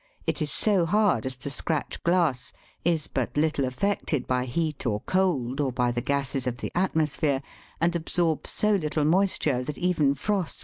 it is so hard as to scratch glass, is but little affected by heat or cold, or by the gases of the atmosphere, and absorbs so little moisture that even frost